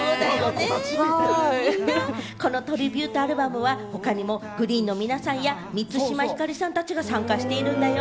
みんな、このトリビュートアルバムは他にもＧＲｅｅｅｅＮの皆さんや、満島ひかりさんたちが参加しているんだよ。